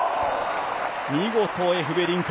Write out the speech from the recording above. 見事、エフベリンク。